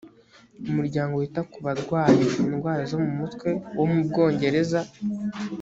umuryango wita ku barwaye indwara zo mu mutwe wo mu bwongereza